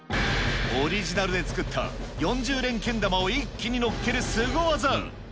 オリジナルで作った４０連けん玉を一気に乗っけるすご技。